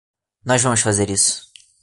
Nós vamos fazer isso.